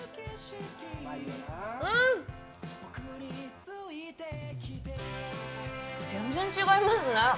うーん！全然違いますね。